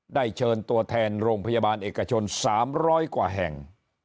เชิญตัวแทนโรงพยาบาลเอกชน๓๐๐กว่าแห่ง